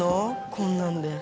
こんなんで。